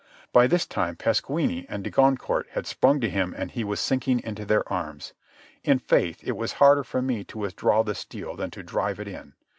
By this time Pasquini and de Goncourt had sprung to him and he was sinking into their arms. In faith, it was harder for me to withdraw the steel than to drive it in.